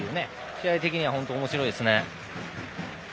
試合的には本当におもしろいですね。